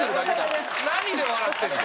何で笑ってるの？